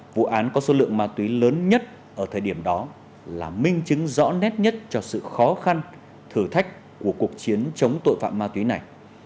vụ án có số lượng ma túy lớn nhất ở thời điểm đó là minh chứng rõ nét nhất cho sự khó khăn thử thách của cuộc chiến chống tội phạm ma túy này